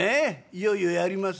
「いよいよやります？」。